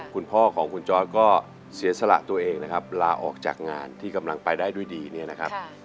คุณพ่อของคุณจอร์ดก็เสียสละตัวเองนะครับลาออกจากงานที่กำลังไปได้ด้วยดีเนี่ยนะครับ